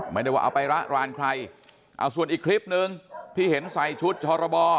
ไม่ได้ว่าเอาไประรานใครเอาส่วนอีกคลิปนึงที่เห็นใส่ชุดชรบ